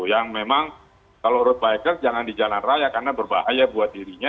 yang memang kalau road biker jangan di jalan raya karena berbahaya buat dirinya